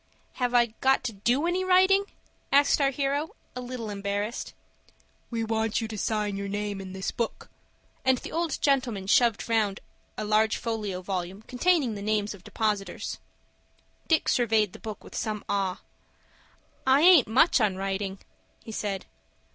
"Have I got to do any writing?" asked our hero, a little embarrassed. "We want you to sign your name in this book," and the old gentleman shoved round a large folio volume containing the names of depositors. Dick surveyed the book with some awe. "I aint much on writin'," he said.